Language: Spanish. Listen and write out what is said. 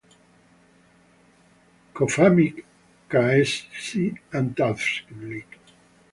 Қоғамдық-саяси апталық.